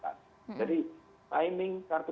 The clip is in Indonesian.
jadi timing kartu